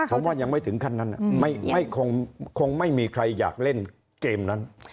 ผมว่ายังไม่ถึงขั้นนั้นคงไม่มีใครอยากเล่นเกมนั้น